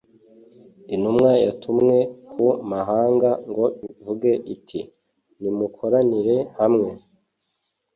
intumwa yatumwe ku mahanga ngo ivuge iti nimukoranire hamwe